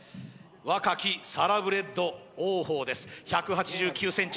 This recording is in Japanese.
若きサラブレッド王鵬です